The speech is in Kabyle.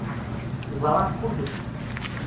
Ẓran kulec.